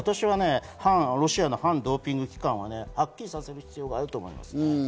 ロシアの反ドーピング機関ははっきりさせる必要があると思います。